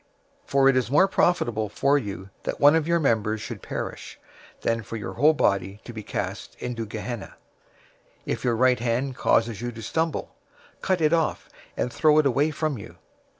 For it is more profitable for you that one of your members should perish, than for your whole body to be cast into Gehenna.{or, Hell} 005:030 If your right hand causes you to stumble, cut it off, and throw it away from you.